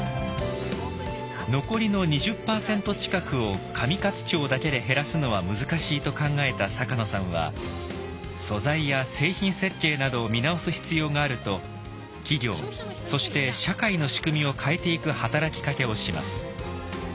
残りの２０％近くを上勝町だけで減らすのは難しいと考えた坂野さんは素材や製品設計などを見直す必要があると企業そして社会の仕組みを変えていく働きかけをします。